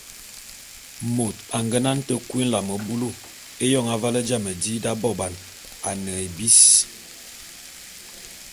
Môt a ngenane te kui nlam bulu éyôn aval jame di d’aboban, a ne ébis.